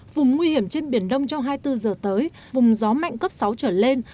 vùng nguy hiểm trên biển đông trong hai mươi bốn giờ tới vùng gió mạnh cấp sáu trở lên